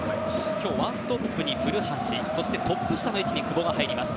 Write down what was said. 今日、１トップに古橋トップ下の位置に久保が入ります。